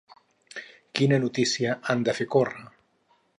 Quina notícia han de fer córrer?